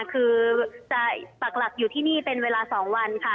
คือจะปักหลักอยู่ที่นี่เป็นเวลา๒วันค่ะ